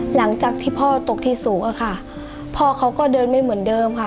หลังจากที่พ่อตกที่สูงอะค่ะพ่อเขาก็เดินไม่เหมือนเดิมค่ะ